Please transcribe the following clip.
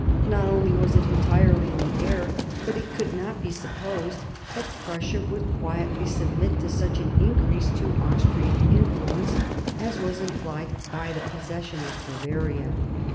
Not only was it entirely in the air; but it could not be supposed that Prussia would quietly submit to such an increase to Austrian influence as was implied by the possession of Bavaria.